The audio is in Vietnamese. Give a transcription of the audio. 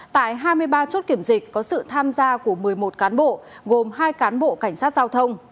tại hai mươi ba chốt kiểm dịch có sự tham gia của một mươi một cán bộ gồm hai cán bộ cảnh sát giao thông